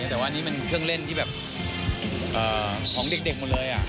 แต่ว่านี่มันเครื่องเล่นที่แบบของเด็กหมดเลย